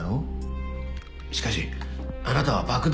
しかしあなたは爆弾の所在を。